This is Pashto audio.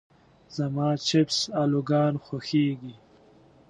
زما چپس الوګان خوښيږي.